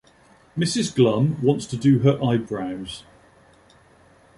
Mrs Glum wants to do her eyebrows.